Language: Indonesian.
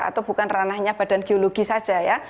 atau bukan ranahnya badan geologi saja ya